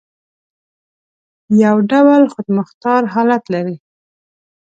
یو ډول خودمختار حالت لري.